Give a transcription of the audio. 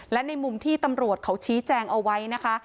และในมุมที่ตำรวจเขาชี้แจงเอาไว้นะคะ